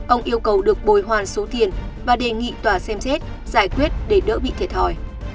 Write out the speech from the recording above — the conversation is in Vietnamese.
ông yêu cầu được bồi hoàn số tiền và đề nghị tòa xem xét giải quyết để đỡ bị thiệt hỏi